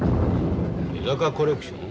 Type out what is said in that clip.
江坂コレクション？